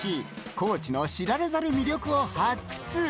高知の知られざる魅力を発掘。